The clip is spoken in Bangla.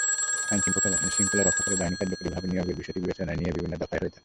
আইনশৃঙ্খলা রক্ষাকারী বাহিনী কার্যকরীভাবে নিয়োগের বিষয়টি বিবেচনায় নিয়ে বিভিন্ন দফায় হয়ে থাকে।